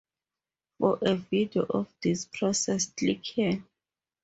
For a video of this process click here.